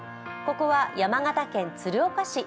ここは山形県鶴岡市。